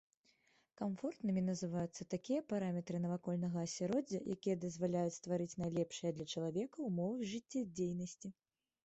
Камфортнымі называюцца такія параметры навакольнага асяроддзя, якія дазваляюць стварыць найлепшыя для чалавека ўмовы жыццядзейнасці.